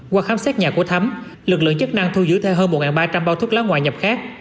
qua khám xét nhà của thấm lực lượng chức năng thu giữ thêm hơn một ba trăm linh bao thuốc lá ngoại nhập khác